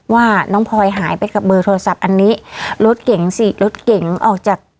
ว่าน้องพลอยหายไปกับเบอร์โทรศัพท์อันนี้รถเก๋งสิรถเก๋งออกจาก